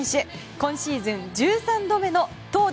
今シーズン１３度目の投打